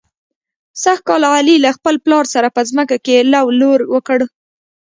سږ کال علي له خپل پلار سره په ځمکه کې لو لور وکړ.